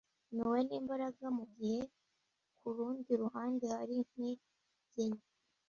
impuhwe n’imbaraga, mu gihe ku rundi ruhande hari intege nke,